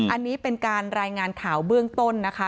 อันนี้เป็นการรายงานข่าวเบื้องต้นนะคะ